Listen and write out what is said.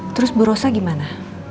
terus bu rosa gimana